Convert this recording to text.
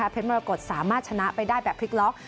มรกฏสามารถชนะไปได้แบบพลิกล็อก